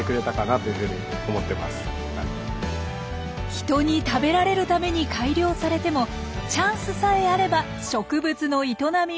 人に食べられるために改良されてもチャンスさえあれば植物の営みを取り戻す。